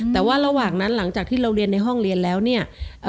แต่ว่าระหว่างนั้นหลังจากที่เราเรียนในห้องเรียนแล้วเนี่ย